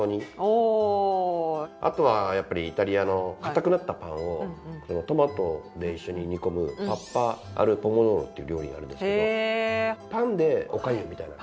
あとはやっぱりイタリアの硬くなったパンをトマトで一緒に煮込むっていう料理があるんですけどパンでおかゆみたいな。